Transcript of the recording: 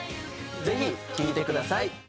ぜひ聴いてください